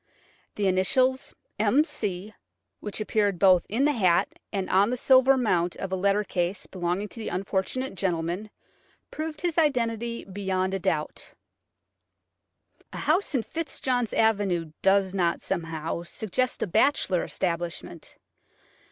The initials M. C., which appeared both in the hat and on the silver mount of a letter case belonging to the unfortunate gentleman, proved his identity beyond a doubt. A house in Fitzjohn's Avenue does not, somehow, suggest a bachelor establishment.